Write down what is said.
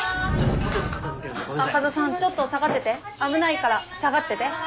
赤座さんちょっと下がってて危ないから下がってて。